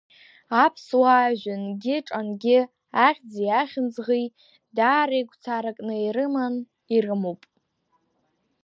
Аԥсуаа жәынгьы, ҿангьы ахьӡи ахьымӡӷи даара игәцаракны ирыман, ирымоуп.